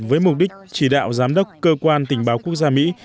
với mục đích chỉ đạo giám đốc cơ quan tình báo quốc gia mỹ